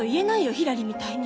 ひらりみたいに。